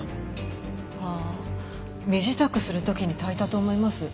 ああ身支度する時にたいたと思います。